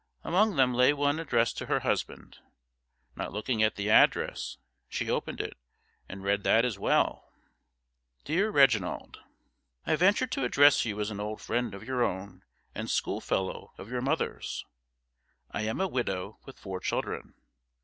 Among them lay one addressed to her husband. Not looking at the address, she opened and read that as well: Dear Reginald: I venture to address you as an old friend of your own and school fellow of your mother's. I am a widow with four children.